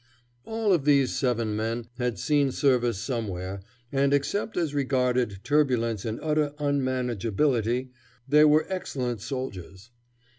All of these seven men had seen service somewhere, and except as regarded turbulence and utter unmanageability they were excellent soldiers.